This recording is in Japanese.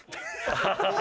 アハハハ。